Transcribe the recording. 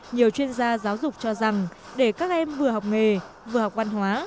nhiều chuyên gia giáo dục cho rằng để các em vừa học nghề vừa học văn hóa